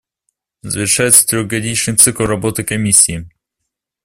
Завершается трехгодичный цикл работы Комиссии.